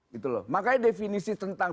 gitu loh makanya definisi tentang